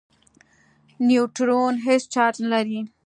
نیوټرون هېڅ چارج نه لري.